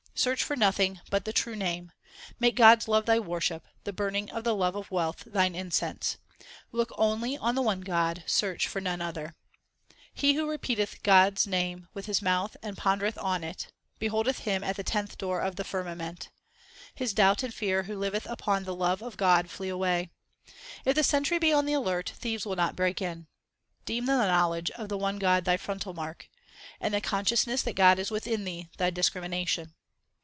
Search for nothing but the true Name ; Make God s love thy worship, the burning of the love of wealth thine incense. Look only on the one God, search for none other. 1 The heart. 2 The kusha (Poa cynosuroides\ used by the Brahmans in worship. X 2 308 THE SIKH RELIGION He who repeateth God s name with his mouth and pon dereth on it, Beholdeth Him at the tenth door of the firmament. 1 His doubt and fear who liveth upon the love of God flee away. If the sentry be on the alert, thieves will not break in. Deem the knowledge of the one God thy frontal mark, And the consciousness that God is within thee thy dis crimination.